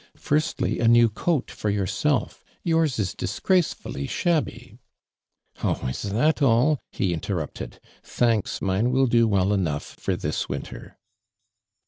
'•Firstly, a new coat for yourself— yours is disgracefully shabby —"' "Oh, is that all!" he interrupted. "Thanks ; mine will do well enough for this winter."